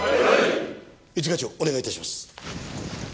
一課長お願い致します。